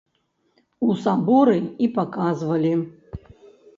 У саборы і паказвалі.